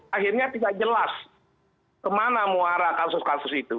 akhirnya tidak jelas kemana muara kasus kasus itu